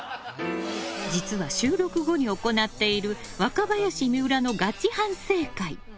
実は収録後に行っている若林、水卜のガチ反省会。